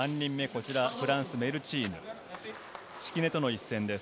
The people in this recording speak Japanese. こちらフランス、メルチーヌ、敷根との一戦です。